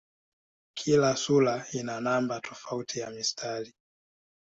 Kila sura ina namba tofauti ya mistari.